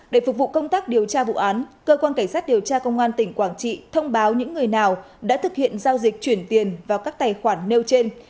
để phục vụ công tác điều tra vụ án cơ quan cảnh sát điều tra công an tỉnh quảng trị thông báo những người nào đã thực hiện giao dịch chuyển tiền vào các tài khoản nêu trên